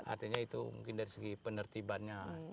artinya itu mungkin dari segi penertibannya